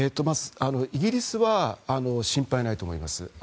イギリスは心配ないと思います。